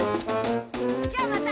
じゃあまた。